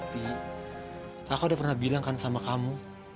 pi kakak udah pernah bilang kan sama kamu